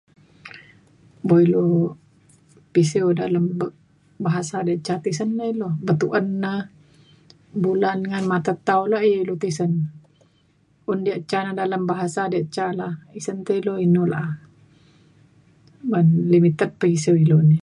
bo ilu pisiu dalem b- bahasa diak ca tisen la ilu bituen na bulan ngan mata tau na ilu tisen. un diak ca na dalam bahasa diak ca la’a isen te ilu inu la’a ban limited pa isiu ilu ni.